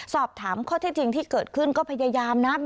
สอบถามข้อที่จริงที่เกิดขึ้นก็พยายามนะ